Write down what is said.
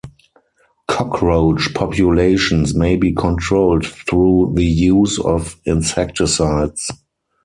Cockroach populations may be controlled through the use of insecticides.